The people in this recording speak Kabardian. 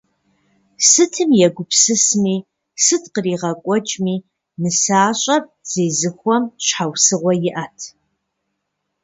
Сытым егупсысми, сыт къригъэкӏуэкӏми, нысащӏэр зезыхуэм щхьэусыгъуэ иӏэт.